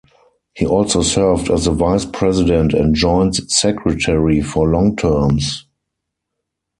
He also served as the vice president and joint secretary for long terms.